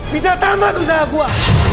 bisa tambah usaha gue